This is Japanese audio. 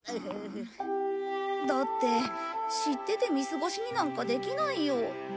だって知ってて見過ごしになんかできないよ。